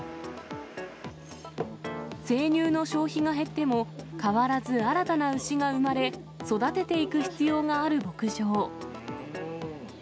生乳の消費が減っても、変わらず新たな牛が産まれ、育てていく必要がある牧場。